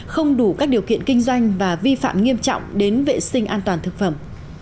không đủ các điều kiện kinh doanh và vi phạm nghiêm trọng đến vệ sinh an toàn thực phẩm